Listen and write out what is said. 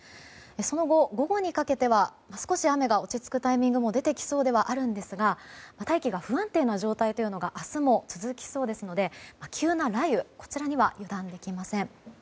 その後、午後にかけては少し雨が落ち着くタイミングも出てきそうではあるんですが大気が不安定な状態が明日も続きそうですので急な雷雨には油断できません。